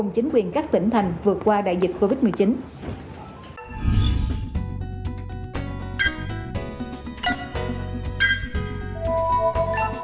chính quyền các tỉnh thành vượt qua đại dịch covid một mươi chín